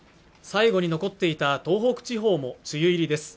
最後に残っていた東北地方も梅雨入りです